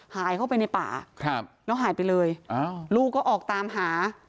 หายเข้าไปในป่าแล้วหายไปเลยลูกก็ออกตามหา